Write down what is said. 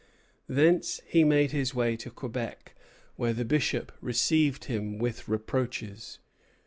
Thence he made his way to Quebec, where the Bishop received him with reproaches.